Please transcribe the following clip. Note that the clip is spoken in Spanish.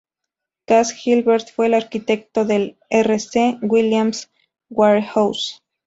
Cass Gilbert fue el arquitecto del R. C. Williams Warehouse.